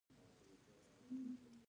هر کال یو سل تنه نوي غړي ټاکل کېدل